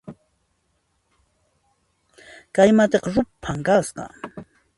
Kay matiqa ruphan kasqa